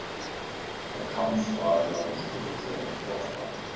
Der Kampfradler besteht auf seine Vorfahrt.